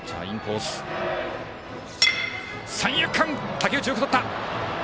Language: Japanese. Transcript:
竹内、よくとった！